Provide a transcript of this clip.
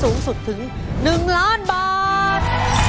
สูงสุดถึง๑ล้านบาท